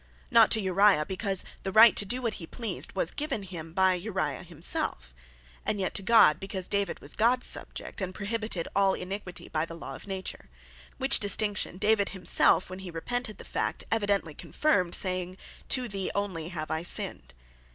Not to Uriah, because the right to doe what he pleased, was given him by Uriah himself; And yet to God, because David was Gods Subject; and prohibited all Iniquitie by the law of Nature. Which distinction, David himself, when he repented the fact, evidently confirmed, saying, "To thee only have I sinned."